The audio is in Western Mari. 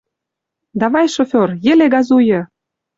Давай, шофер, йӹле газуйы!